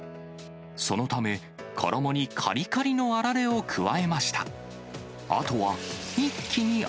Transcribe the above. そのため、衣にかりかりのあられを加えました。